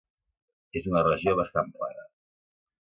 És una regió bastant plana.